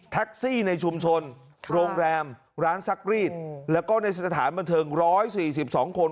แท็กซี่ในชุมชนโรงแรมร้านซักรีดแล้วก็ในสถานบันเทิงร้อยสี่สิบสองคน